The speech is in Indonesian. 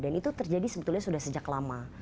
dan itu terjadi sebetulnya sudah sejak lama